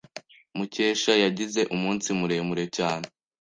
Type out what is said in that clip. Mukesha yagize umunsi muremure cyane.